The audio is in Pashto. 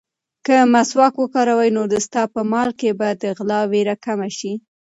که مسواک وکاروې، نو ستا په مال کې به د غلا وېره کمه شي.